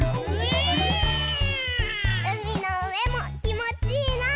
うみのうえもきもちいいな！